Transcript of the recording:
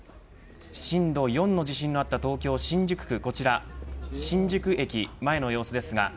震度４の地震のあった東京、新宿区新宿駅前の様子です